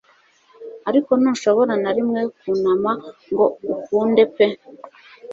Ariko ntushobora na rimwe kunama ngo ukunde pe